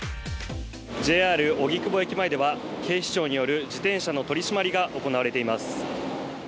ＪＲ荻窪駅前では警視庁による自転車の取り締まりが行われています。